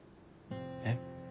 えっ？